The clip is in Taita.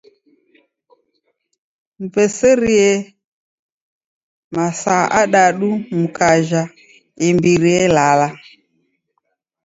Muw'eserie masaa adadu mkaja imbiri elala.